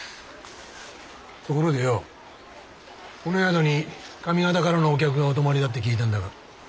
ところでよこの宿に上方からのお客がお泊まりだって聞いたんだが。